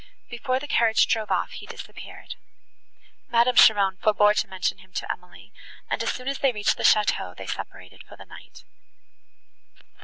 Before the carriage drove off, he disappeared. Madame Cheron forbore to mention him to Emily, and, as soon as they reached the château, they separated for the night.